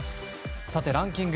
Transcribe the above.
ランキング